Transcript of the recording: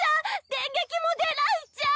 電撃も出ないっちゃ！